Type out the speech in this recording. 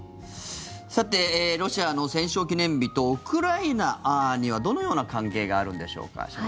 さてロシアの戦勝記念日とウクライナにはどのような関係があるのでしょうか。